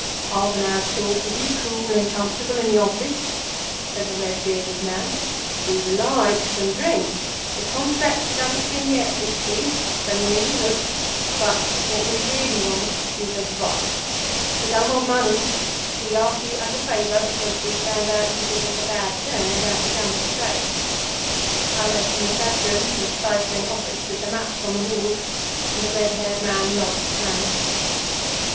"Half an hour's talk with you cool and comfortable, in the office," said the red bearded man. "We'd like some drink—the Contrack doesn't begin yet, Peachey, so you needn't look—but what we really want is advice. We don't want money. We ask you as a favor, because you did us a bad turn about Degumber." I led from the press room to the stifling office with the maps on the walls, and the red haired man rubbed his hands.